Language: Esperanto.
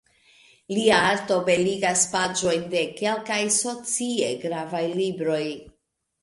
Lia arto beligas paĝojn de kelkaj socie gravaj libroj.